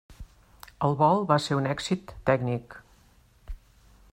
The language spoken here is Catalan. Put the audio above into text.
El vol va ser un èxit tècnic.